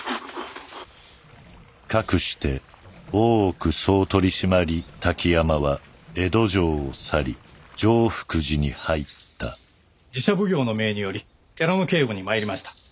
かくして大奥総取締滝山は江戸城を去り常福寺に入った寺社奉行の命により寺の警護に参りました。